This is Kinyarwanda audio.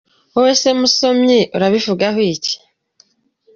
Wowe se musomyi urabivugaho iki ?